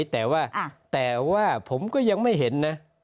แต่ว่าผมก็ยังไม่เห็นนะ